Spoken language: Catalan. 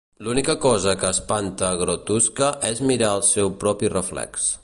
L'única cosa que espanta Grotusque és mirar el seu propi reflex.